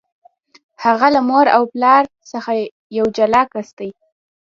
هغه له مور او پلار څخه یو جلا کس دی.